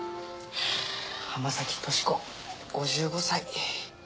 浜崎とし子５５歳。